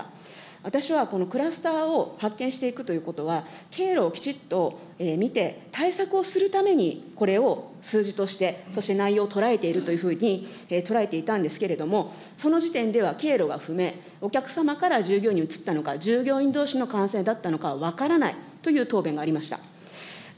私は、このクラスターを発見していくということは、経路をきちっと見て、対策をするためにこれを数字として、そして、内容を捉えているというふうに、捉えていたんですけれども、その時点では経路は不明、お客様から従業員にうつったのか、従業員どうしの感染だったのかは分からないという答弁がありました。